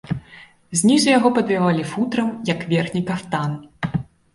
Знізу яго падбівалі футрам як верхні кафтан.